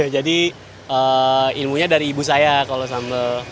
jadi ilmunya dari ibu saya kalau sambal